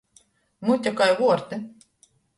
Mute kai vuorti.